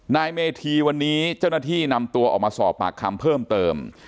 นายเมธีวันนี้เจ้าหน้าที่นำตัวออกมาสอบปากคำเพิ่มเติม